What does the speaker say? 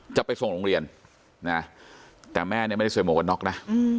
จะไปส่งโรงเรียนแต่แม่ไม่ได้เสวยหมวดน็อกนะ